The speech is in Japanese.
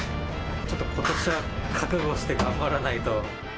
ちょっとことしは覚悟して頑張らないと。